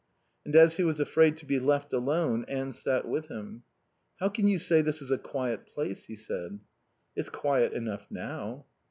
And as he was afraid to be left alone Anne sat with him. "How can you say this is a quiet place?" he said. "It's quiet enough now."